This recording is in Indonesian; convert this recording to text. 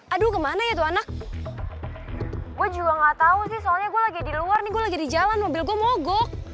aduh kemana ya tuh anak gue juga gak tau sih soalnya gue lagi di luar nih gue lagi di jalan mobil gue mogok